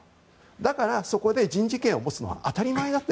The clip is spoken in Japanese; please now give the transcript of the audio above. だから、そこで人事権を持つのは当たり前だって